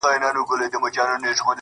دا خو واړه نه سړیې دي او نه جنې